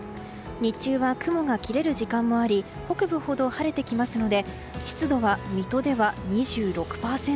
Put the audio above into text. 日中は雲が切れる時間もあり北部ほど晴れてきますので湿度は水戸では２６％